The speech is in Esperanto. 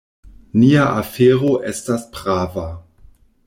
Nia afero estas prava.